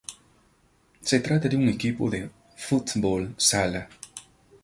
Se trata de un equipo de fútbol sala.